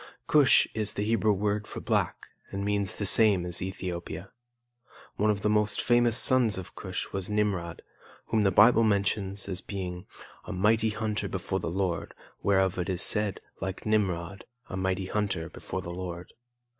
Cush is the Hebrew word for black and means the same as Ethiopia. One of the most famous sons of Cush was Nimrod, whom the Bible mentions as being "a mighty hunter before the Lord; whereof it is said, like Nimrod, a mighty hunter before the Lord."